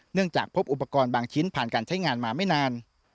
จากพบอุปกรณ์บางชิ้นผ่านการใช้งานมาไม่นาน